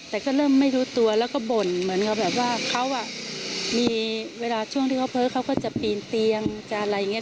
แต่ก็เริ่มไม่รู้ตัวแล้วก็บ่นเหมือนกับแบบว่าเขามีเวลาช่วงที่เขาเพ้อเขาก็จะปีนเตียงจะอะไรอย่างนี้